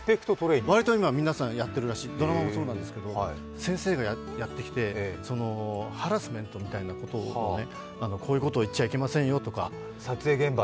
割と今、皆さんやってるらしい、ドラマもそうなんですけど先生がやってきて、ハラスメントみたいなことを、こういうことを言っちゃいけませんよと。